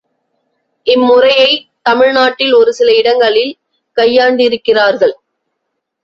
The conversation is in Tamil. இம்முறையை தமிழ்நாட்டில் ஒரு சில இடங்களில் கையாண்டிருக்கிறார்கள்.